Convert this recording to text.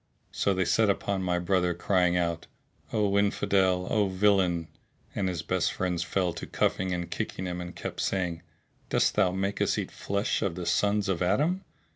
So they set upon my brother crying out, "O Infidel! O villain!"; and his best friends fell to cuffing and kicking him and kept saying, "Dost thou make us eat flesh of the sons of Adam?"